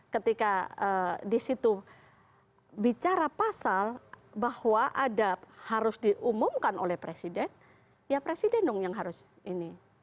ketika di situ bicara pasal bahwa ada harus diumumkan oleh presiden ya presiden dong yang harus ini